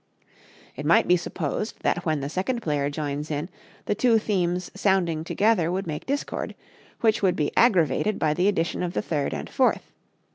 It might be supposed that when the second player joins in, the two themes sounding together would make discord, which would be aggravated by the addition of the third and fourth.